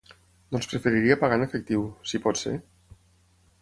Doncs preferiria pagar en efectiu, si pot ser?